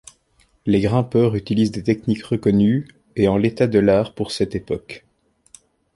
Les grimpeurs utilisent des techniques reconnues et en l'état de l'art pour cette époque.